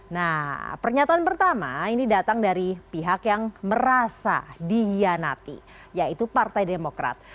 nah pernyataan pertama ini datang dari pihak yang merasa dihianati yaitu partai demokrat